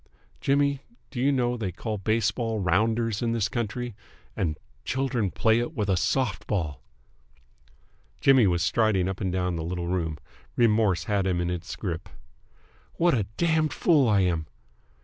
Jimmy, do you know they call baseball Rounders in this country, and children play it with a soft ball!" Jimmy was striding up and down the little room. Remorse had him in its grip. "What a damned fool I am!"